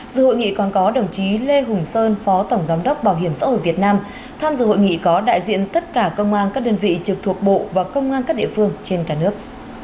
dự hội nghị còn có đồng chí lê hùng sơn phó tổng giám đốc bảo hiểm xã hội việt nam tham dự hội nghị có đại diện tất cả công an các đơn vị trực thuộc bộ và công an các địa phương trên cả nước